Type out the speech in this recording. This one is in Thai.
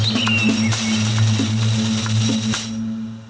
ต่อไป